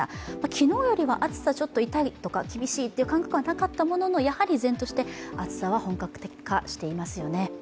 昨日よりは暑さちょっと厳しいという感覚はなかったものの、やはり依然として暑さは本格化していますよね。